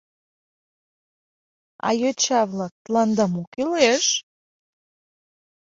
— А йоча-влак, тыланда мо кӱлеш?